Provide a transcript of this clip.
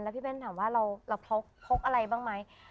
พี่เบ้นถามว่าเราพกอะไรบ้างไหม